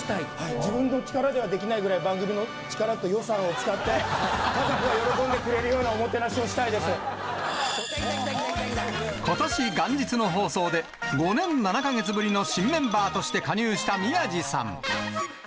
自分の力ではできないくらい、番組の力と予算を使って、家族が喜んでくれるようなおもてなしをことし元日の放送で、５年７か月ぶりの新メンバーとして加入した宮治さん。